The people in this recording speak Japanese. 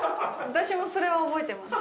私もそれは覚えてます。